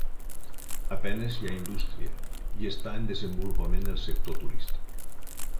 A penes hi ha indústria, i està en desenvolupament el sector turístic.